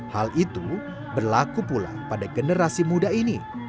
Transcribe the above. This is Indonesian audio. hal itu berlaku pula pada generasi muda ini